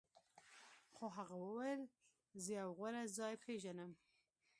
خو هغه وویل زه یو غوره ځای پیژنم